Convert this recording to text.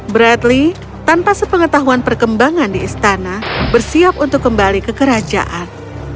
bradley tanpa sepengetahuan perkembangan di istana bersiap untuk kembali ke kerajaan